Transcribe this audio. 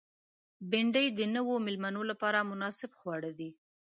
بېنډۍ د نوو مېلمنو لپاره مناسب خواړه دي